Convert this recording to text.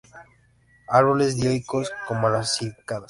Árboles dioicos, como las cícadas.